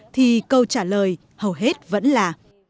thì câu trả lời hầu hết vẫn là